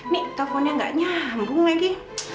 nih teleponnya gak nyambung lagi